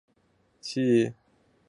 气候温暖。